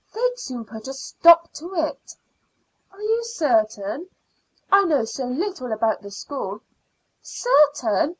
"They'd soon put a stop to it." "Are you certain? I know so little about the school." "Certain?